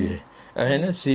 foto pak harto dan buting